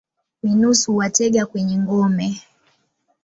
Minus huwatega kwenye ngome.